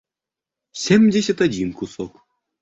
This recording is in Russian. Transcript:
семьдесят один кусок